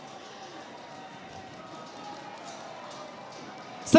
zmai oke belakang adalah for kd conocer